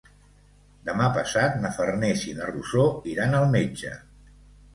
Demà passat na Farners i na Rosó iran al metge.